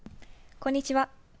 こんにちは。